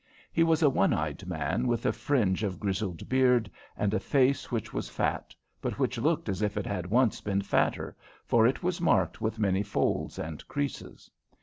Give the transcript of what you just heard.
He was a one eyed man, with a fringe of grizzled beard and a face which was fat, but which looked as if it had once been fatter, for it was marked with many folds and creases.